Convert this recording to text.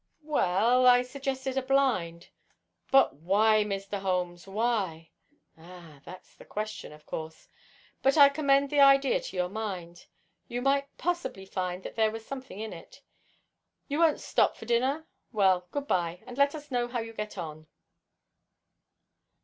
"Well, I suggested a blind." "But why, Mr. Holmes, why?" "Ah, that's the question, of course. But I commend the idea to your mind. You might possibly find that there was something in it. You won't stop for dinner? Well, good bye, and let us know how you get on."